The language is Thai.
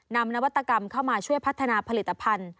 นวัตกรรมเข้ามาช่วยพัฒนาผลิตภัณฑ์